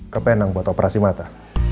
ke penang buat operasi mata